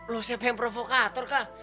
lo siapa yang provokator kak